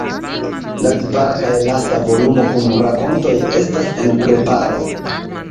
La kvara kaj lasta volumo kun rakontoj estas en preparo.